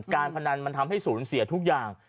การพนันมันทำให้สูญเสียทุกอย่าง